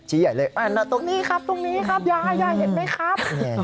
ชี้ใหญ่เลยตรงนี้ครับอย่าอย่าเห็นไหมครับ